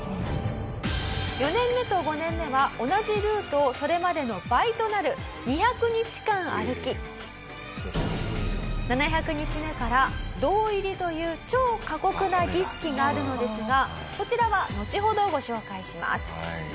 ４年目と５年目は同じルートをそれまでの倍となる２００日間歩き７００日目から堂入りという超過酷な儀式があるのですがこちらはのちほどご紹介します。